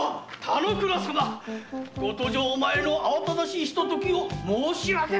田之倉様ご登城前の慌ただしいひとときを申し訳。